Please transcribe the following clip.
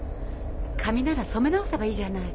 髪なら染め直せばいいじゃない。